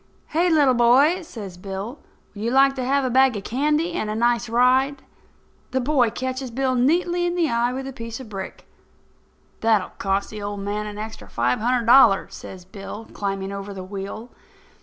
"Hey, little boy!" says Bill, "would you like to have a bag of candy and a nice ride?" The boy catches Bill neatly in the eye with a piece of brick. "That will cost the old man an extra five hundred dollars," says Bill, climbing over the wheel.